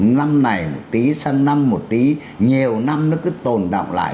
năm này một tí sang năm một tí nhiều năm nó cứ tồn động lại